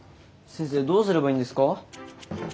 先生どうすればいいんですか？